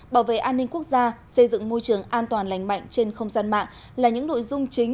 bảo vệ an ninh quốc gia xây dựng môi trường an toàn lành mạnh trên không gian mạng là những nội dung chính